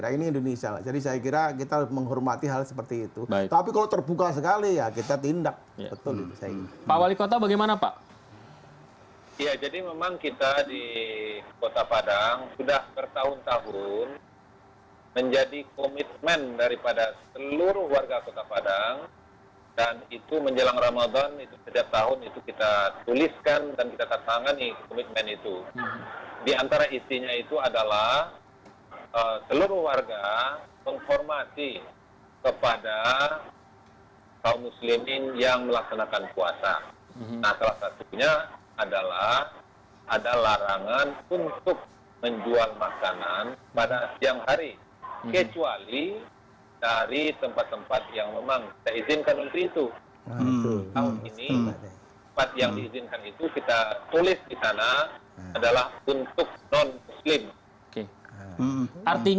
ini namanya pembatasan